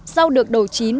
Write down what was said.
rau được đổ chín